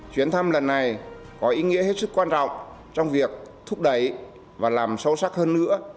chuyến thăm lần này có ý nghĩa hết sức quan trọng trong việc thúc đẩy và làm sâu sắc hơn nữa